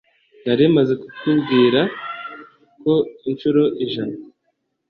Nari maze kukubwira ko inshuro ijana